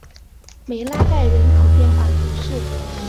梅拉盖人口变化图示